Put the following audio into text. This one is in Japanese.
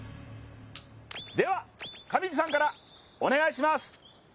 では上地さんからお願いします。